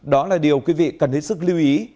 đó là điều quý vị cần hết sức lưu ý